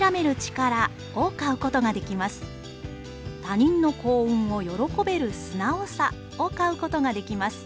『他人の幸運を喜べる素直さ』を買うことができます。